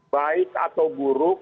baik atau buruk